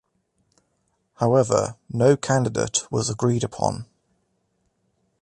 However, no candidate was agreed upon.